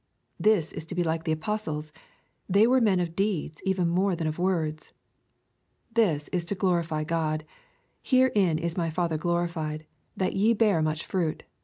This is to ba like the apostles, — they were men of deeds even more than of words. This is to glorify God, —" Herein is my Father glorified, that ye bear much fruit."